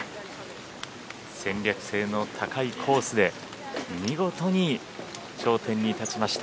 戦略性の高いコースで見事に頂点に立ちました。